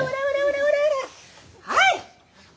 はい！